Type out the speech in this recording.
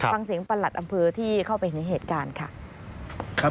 ฟังเสียงปรัสลัดอำเภอที่เข้าไปในเหตุการณ์ค่ะ